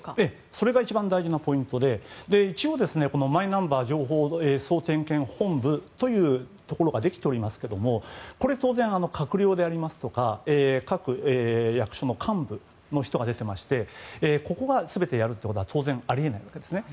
それが一番大事なポイントでマイナンバー情報総点検本部というところができておりますけども当然、閣僚でありますとか各役所の幹部の人が出ていましてここが全てやるというのは当然、あり得ないわけですね。